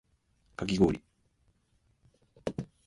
かき氷